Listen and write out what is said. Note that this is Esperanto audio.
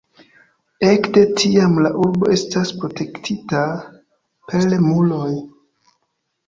Ekde tiam la urbo estas protektita per muroj.